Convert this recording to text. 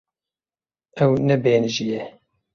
Ew nebêhnijî ye.